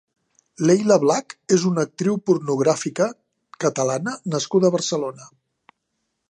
Leyla Black és una actriu pornografica Catalana nascuda a Barcelona.